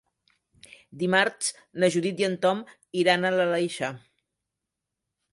Dimarts na Judit i en Tom iran a l'Aleixar.